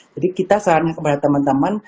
jadi kita saran kepada teman teman